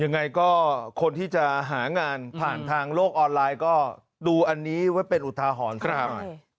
ยังไงก็คนที่จะหางานผ่านทางโลกออนไลน์ก็ดูอันนี้ไว้เป็นอุทาหรณ์สักหน่อย